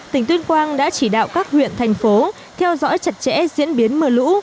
tỉnh tuyên quang đã chỉ đạo các huyện thành phố theo dõi chặt chẽ diễn biến mưa lũ